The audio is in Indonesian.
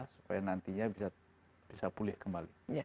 supaya nantinya bisa pulih kembali